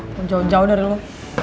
aku jauh jauh dari lo